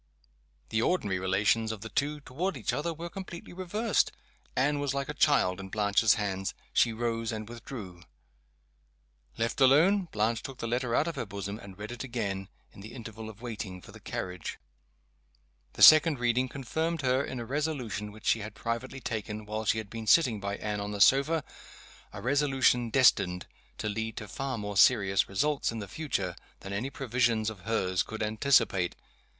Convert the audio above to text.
The ordinary relations of the two toward each other were completely reversed. Anne was like a child in Blanche's hands. She rose, and withdrew. Left alone, Blanche took the letter out of her bosom, and read it again, in the interval of waiting for the carriage. The second reading confirmed her in a resolution which she had privately taken, while she had been sitting by Anne on the sofa a resolution destined to lead to far more serious results in the future than any previsions of hers could anticipate.